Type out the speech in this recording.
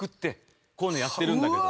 こういうのやってるんだけど。